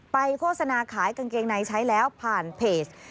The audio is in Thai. โฆษณาขายกางเกงในใช้แล้วผ่านเพจ